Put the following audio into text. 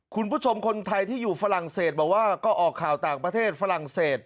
คุณผู้ชมคนไทยที่อยู่ฝรั่งเศสบอกว่าก็ออกข่าวต่างประเทศฝรั่งเศส